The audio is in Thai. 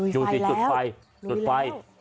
ดูสิจุดไฟ